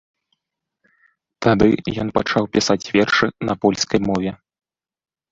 Тады ён пачаў пісаць вершы на польскай мове.